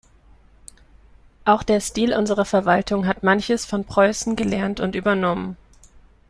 Auch der Stil unserer Verwaltung hat manches von Preußen gelernt und übernommen.